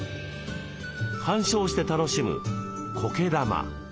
観賞して楽しむ「こけ玉」。